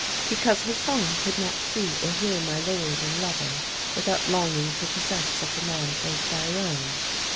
"'Because Hassan could not see or hear my lord and lover without longing to possess such a man for his very own.